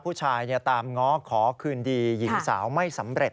ผู้ชายตามง้อขอคืนดีหญิงสาวไม่สำเร็จ